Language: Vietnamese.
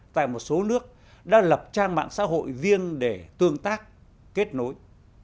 tại một số nước đã lập trang mạng xã hội riêng để tương tác kết nối